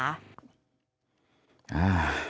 อ่า